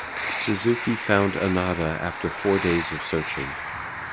Suzuki found Onoda after four days of searching.